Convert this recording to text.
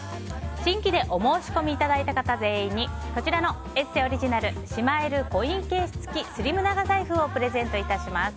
新規でお申し込みいただいた方全員にこちらの「ＥＳＳＥ」オリジナルしまえるコインケース付きスリム長財布をプレゼントいたします。